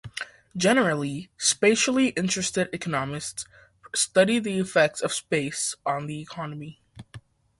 Generally, spatially interested economists study the effects of space "on the economy".